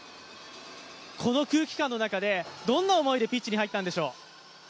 この空気感の中でどんな思いでピッチに入ったんでしょう。